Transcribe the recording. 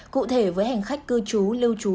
cụ thể với hành khách cư trú lưu trú